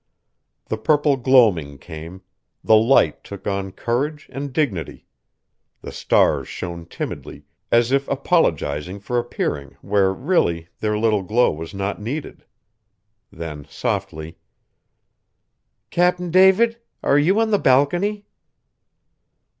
The purple gloaming came; the Light took on courage and dignity; the stars shone timidly as if apologizing for appearing where really their little glow was not needed. Then softly: "Cap'n David, are you on the balcony?"